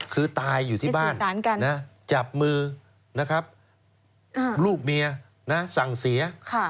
คือตายอยู่ที่บ้านจับมือนะครับลูกเมียสั่งเสีย